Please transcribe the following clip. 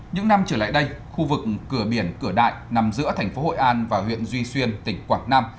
những năm trở lại đây khu vực cửa biển cửa đại nằm giữa thành phố hội an và huyện duy xuyên tỉnh quảng nam